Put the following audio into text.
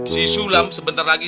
si sulam sebentar lagi